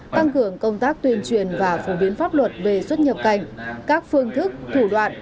tăng cường công tác tuyên truyền và phổ biến pháp luật về xuất nhập cảnh các phương thức thủ đoạn